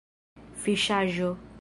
fiŝaĵo